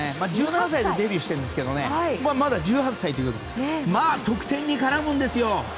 １７歳でデビューしているんですがまだ１８歳ということでまあ得点に絡むんですよ。